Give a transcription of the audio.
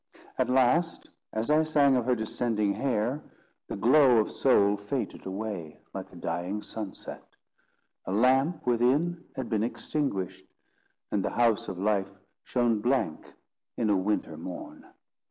At last, as I sang of her descending hair, the glow of soul faded away, like a dying sunset. A lamp within had been extinguished, and the house of life shone blank in a winter morn.